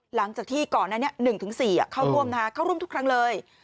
หลังจากที่ก่อนนั้น๑๔เข้าร่วมเข้าร่วมทุกครั้งเลย